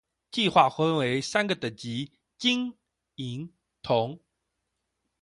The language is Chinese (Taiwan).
計畫分為三個等級：金、銀、銅